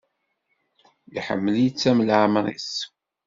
Iḥemmel-itt am leɛmer-is.